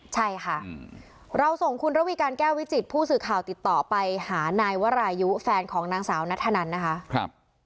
ใช่ค่ะเราส่งคุณระวีการแก้ววิจิตผู้สื่อข่าวติดต่อไปหานายวรายุแฟนของนางสาวนัทธนันนะคะ